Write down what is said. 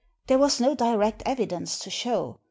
There was no direct evidence to show.